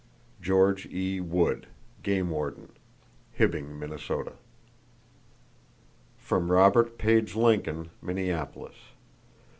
—(George E. Wood, Game Warden, Hibbing, Minnesota.) From Robert Page Lincoln, Minneapolis.